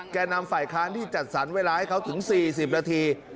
แก่นำฝ่ายค้านที่จัดสรรเวลาให้เขาถึง๔๐นาที